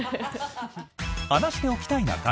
「話しておきたいな会」